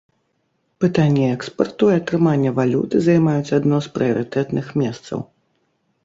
Пытанні экспарту і атрымання валюты займаюць адно з прыярытэтных месцаў.